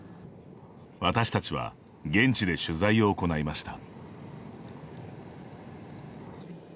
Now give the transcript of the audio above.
私たちは現地で取材を行いました。